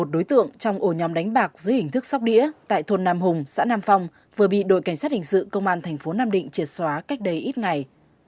một đối tượng trong ổ nhóm đánh bạc dưới hình thức sóc đĩa tại thôn nam hùng xã nam phong vừa bị đội cảnh sát hình sự công an thành phố nam định triệt xóa cách đây ít ngày